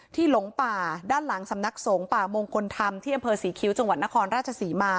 หลงป่าด้านหลังสำนักสงฆ์ป่ามงคลธรรมที่อำเภอศรีคิ้วจังหวัดนครราชศรีมา